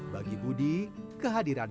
bagi budi kehadiran